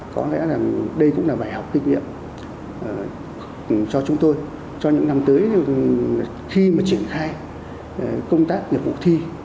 có lẽ là đây cũng là bài học kinh nghiệm cho chúng tôi cho những năm tới khi mà triển khai công tác nghiệp vụ thi